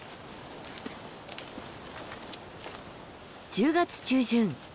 １０月中旬。